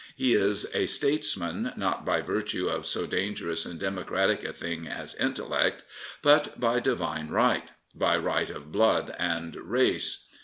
He is a statesman not by virtue of so dangerous and democratic a thing as intellect; but by divine right, by right of blood and race.